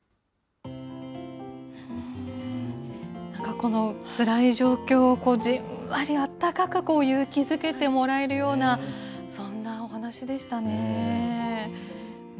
このつらい状況を、じんわりあったかく勇気づけてもらえるような、そんなお話でしたね。